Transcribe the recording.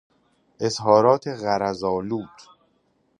اظهارات غرض آلود